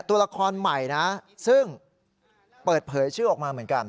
ตัวละครใหม่นะซึ่งเปิดเผยชื่อออกมาเหมือนกัน